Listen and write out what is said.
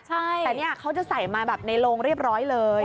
ใช่แต่เนี่ยเขาจะใส่มาแบบในโรงเรียบร้อยเลย